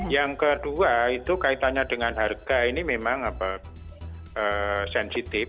yang kedua itu kaitannya dengan harga ini memang sensitif